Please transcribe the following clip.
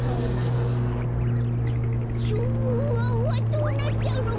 どうなっちゃうの？